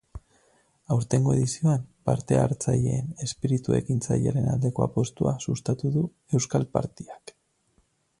Aurtengo edizioan, parte-hartzaileen espiritu ekintzailearen aldeko apustua sustatu du euskal partyak.